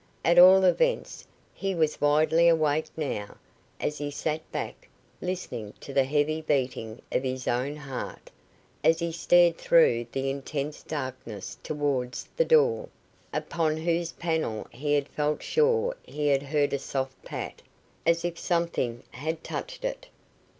At all events, he was widely awake now, as he sat back listening to the heavy beating of his own heart, as he stared through the intense darkness towards the door, upon whose panel he had felt sure he had heard a soft pat, as if something had touched it.